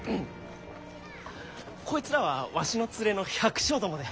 こいつらはわしの連れの百姓どもで。